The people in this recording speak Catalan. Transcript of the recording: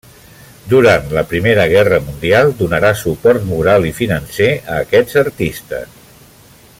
Durant la Primera Guerra Mundial, donarà suport moral i financer a aquests artistes.